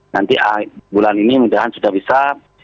nanti bulan ini mudah mudahan sudah bisa